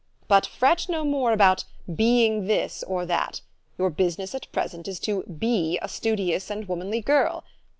But fret no more about ' be ing ' this or that. Your business at present is to 4 be ' a studious and womanly girl.